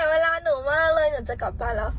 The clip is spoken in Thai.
เวลาหนูมากเลยหนูจะกลับบ้านแล้ว